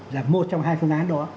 là một trong hai phương án đó